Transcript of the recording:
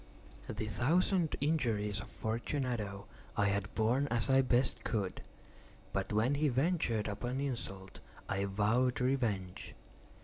The thousand injuries of Fortunato I had borne as I best could; but when he ventured upon insult, I vowed revenge.